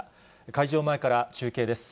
会場前から中継です。